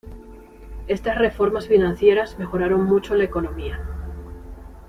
Estas reformas financieras mejoraron mucho la economía.